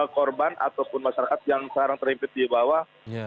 korban ataupun masyarakat yang sekarang terhimpit di bawah